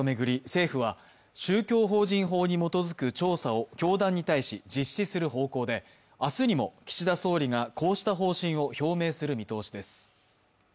政府は宗教法人法に基づく調査を教団に対し、実施する方向で明日にも岸田総理がこうした方針を表明する見通しです。